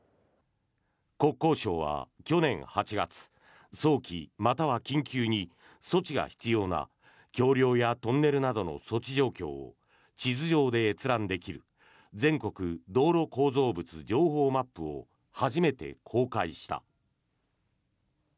国交省は去年８月早期または緊急に措置が必要な橋梁やトンネルなどの措置状況を地図上で閲覧できる全国道路構造物情報マップを初めて公開した。